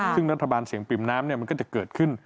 ซึ่งรัฐบาลเสียงปริ่มน้ำมันก็จะเกิดขึ้น